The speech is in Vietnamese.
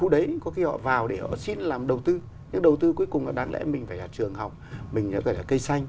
đầu tư cuối cùng là đáng lẽ mình phải ở trường học mình phải ở cây xanh